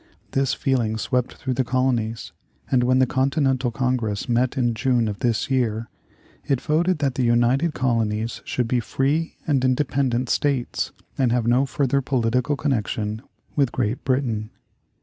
This feeling swept through the colonies, and when the Continental Congress met in June of this year, it voted that the united colonies should be free and independent States and have no further political connection with Great Britain.